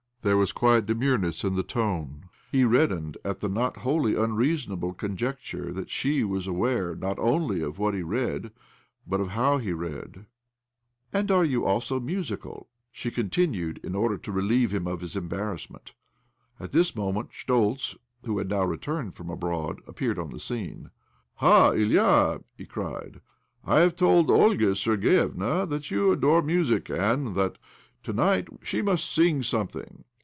There was quiet demureness in thfe tone. 'He red dened at the not wholly unreasonable conjec ture that she was aware not only of what he read but of how he read. ' And are удц ajso musical?" she con tinued, in or'der tQ relieve him of his em barrassment. At this moment Schtoltz (whio had now returned from abroad) appeared (Щ the scene. " Ha, Ilya I " he cried. " I have told Olga Sergievna that you adore music, and that to night she must sing something!